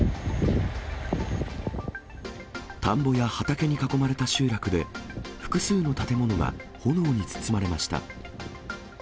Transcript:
田んぼや畑に囲まれた集落で、複数の建物が炎に包まれました。